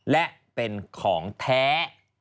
และเป็นของแท้